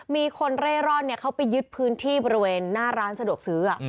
มีคนเร่ร่อนเขาไปยึดพื้นที่บริเวณหน้าร้านสะดวกซื้อ